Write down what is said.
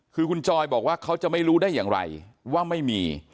คือคุณจอยบอกว่าเขาจะไม่รู้ได้อย่างไรว่าไม่มี